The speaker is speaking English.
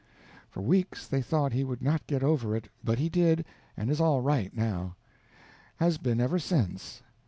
For weeks they thought he would not get over it but he did, and is all right, now. Has been ever since.